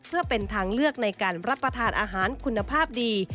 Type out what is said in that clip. เพื่อเป็นทางเลือกในการรับประทานอาหารคุณภาพดี